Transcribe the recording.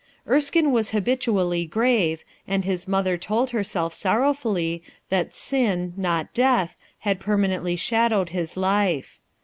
Erskine was habitually grave, and his mother told herself sorrowfully that sin, not death had permanently shadowed his life.